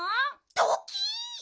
ドキッ！